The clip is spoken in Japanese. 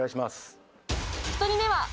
１人目は。